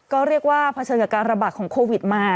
ก็เรียกว่าเผชิญกับการระบาดของโควิดมา